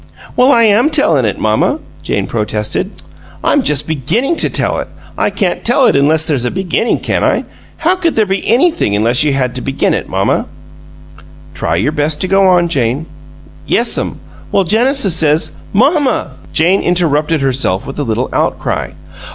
"Well, I AM tellin' it, mamma!" Jane protested. "I'm just BEGINNING to tell it. I can't tell it unless there's a beginning, can I? How could there be ANYTHING unless you had to begin it, mamma?" "Try your best to go on, Jane!" "Yes'm. Well, Genesis says Mamma!" Jane interrupted herself with a little outcry.